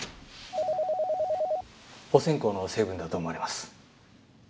お線香の成分だと思われます。